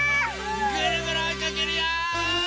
ぐるぐるおいかけるよ！